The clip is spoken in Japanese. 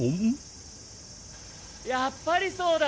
やっぱりそうだ！